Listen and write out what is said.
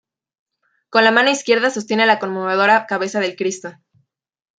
Con la mano izquierda sostiene la conmovedora cabeza del Cristo.